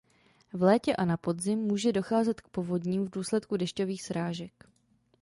V létě a na podzim může docházet k povodním v důsledku dešťových srážek.